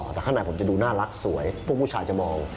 แต่ข้างในผมจะดูน่ารักสวยพวกผู้ชายจะมอง